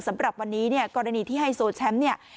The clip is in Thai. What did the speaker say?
สำหรับวันนี้เนี่ยกรณีที่ไฮโซแชมป์เนี่ย